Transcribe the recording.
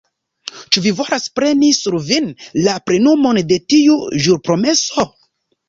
ĉu vi volas preni sur vin la plenumon de tiu ĵurpromeso?